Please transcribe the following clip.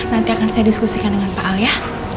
nanti akan saya diskusikan dengan pak al ya